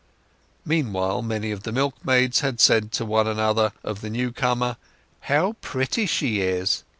Meanwhile many of the milkmaids had said to one another of the newcomer, "How pretty she is!"